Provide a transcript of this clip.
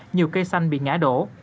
nhiều cây xanh bị ngã đổ